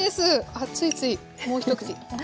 あっついついもう一口。